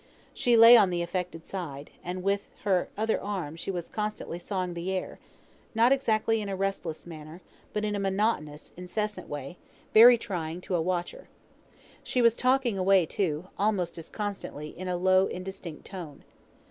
She lay on the affected side, and with her other arm she was constantly sawing the air, not exactly in a restless manner, but in a monotonous, incessant way, very trying to a watcher. She was talking away, too, almost as constantly, in a low, indistinct tone.